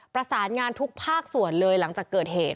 ประสานงานทุกภาคส่วนเลยหลังจากเกิดเหตุ